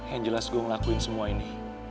yang jelas gue ngelakuin semua ini